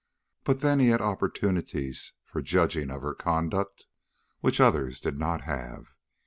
But then he had opportunities for judging of her conduct which others did not have.